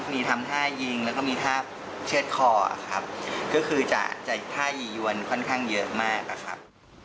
มีทำท่ายิงแล้วก็มีท่าเชือดคอครับก็คือจะจะท่ายียวนค่อนข้างเยอะมากอะครับ